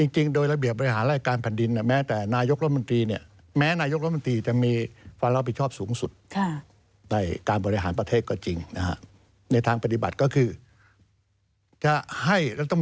จริงโดยระเบียบบริหารร่ายการพันธุ์ดิน